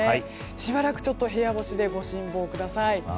しばらく部屋干しでご辛抱ください。